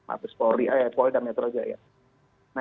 apalagi poli dan metrol